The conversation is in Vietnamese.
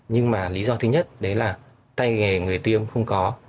nhưng mà lý do thứ nhất đấy là tay nghề người tiêm không có